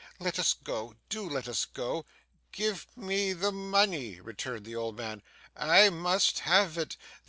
Let us go; do let us go.' 'Give me the money,' returned the old man, 'I must have it.